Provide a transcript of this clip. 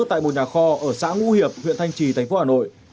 tại một nhà kho ở xã ngũ hiệp huyện thanh trì thành phố hà nội